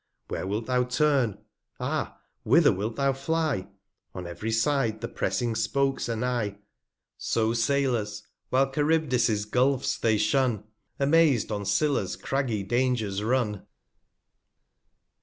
180 Where wilt thou turn ? ah ! whither wilt thou fly ? On ev'ry side the pressing Spokes are nigh. So Sailors, while Charybdis Gulphs they shun, Amaz'd, on Scyllas craggy Dangers run.